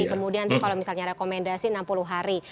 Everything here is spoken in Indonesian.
kemudian nanti kalau misalnya rekomendasi enam puluh hari